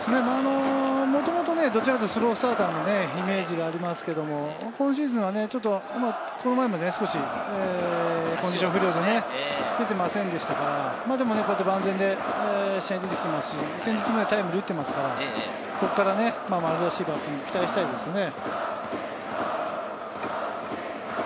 元々どちらかというとスロースターターのイメージがありますけど、今シーズンは、この前まで、少しコンディション不良で出ていませんでしたから、でもこうやって万全で試合に出てきていますし、先日もタイムリーを打っているので、ここから丸らしいバッティングを期待したいですね。